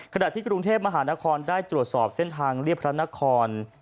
ขณะที่กรุงเทพมหานครได้ตรวจสอบเส้นทางเรียบพระนคร